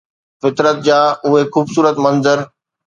فطرت جا اهي خوبصورت منظر